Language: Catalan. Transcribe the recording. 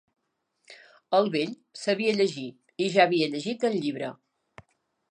El vell sabia llegir i ja havia llegit el llibre.